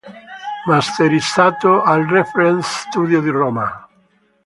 Masterizzato al Reference studio di Roma.